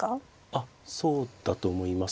あっそうだと思います。